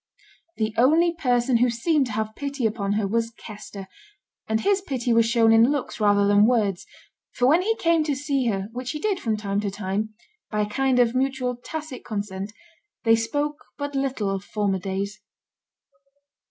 The only person who seemed to have pity upon her was Kester; and his pity was shown in looks rather than words; for when he came to see her, which he did from time to time, by a kind of mutual tacit consent, they spoke but little of former days.